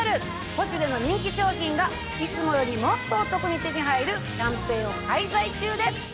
『ポシュレ』の人気商品がいつもよりもっとお得に手に入るキャンペーンを開催中です。